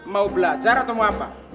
mau belajar atau mau apa